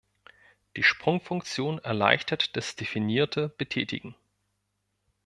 Die Sprungfunktion erleichtert das definierte Betätigen.